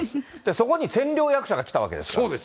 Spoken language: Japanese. そこに千両役者が来たわけですから。